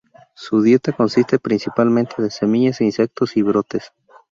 Su dieta consiste principalmente de semillas, insectos y brotes.